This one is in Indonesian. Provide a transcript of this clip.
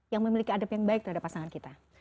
yang memiliki adab yang baik terhadap pasangan kita